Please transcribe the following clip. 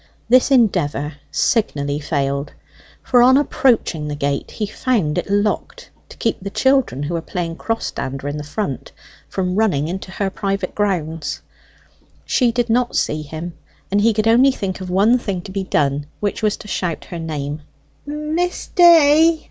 This endeavour signally failed; for on approaching the gate he found it locked to keep the children, who were playing 'cross dadder' in the front, from running into her private grounds. She did not see him; and he could only think of one thing to be done, which was to shout her name. "Miss Day!"